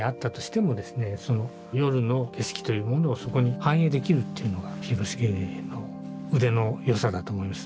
その夜の景色というものをそこに反映できるっていうのが広重の腕のよさだと思います。